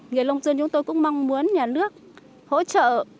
người lông dân chúng tôi cũng mong muốn nhà nước hỗ trợ